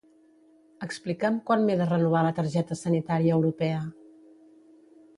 Explica'm quan m'he de renovar la targeta sanitària europea.